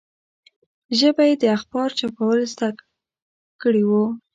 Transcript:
ژبه یې د اخبار چاپول زده کړي وو.